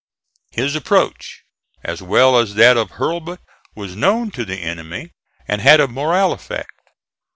His approach, as well as that of Hurlbut, was known to the enemy and had a moral effect.